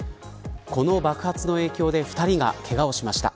この爆発の影響で２人がけがをしました。